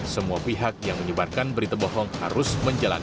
semua pihak yang menyebarkan berita bohong harus menjalankan